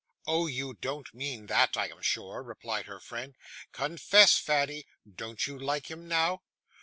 'Oh, you don't mean that, I am sure?' replied her friend. 'Confess, Fanny; don't you like him now?